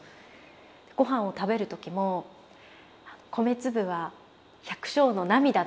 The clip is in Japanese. ご飯を食べる時も米粒は百姓の涙だと。